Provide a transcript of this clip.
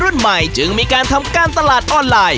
ทำการตลาดออนไลน์